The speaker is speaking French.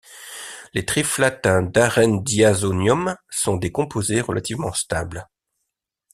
Les triflates d'arènediazonium sont des composés relativement stables.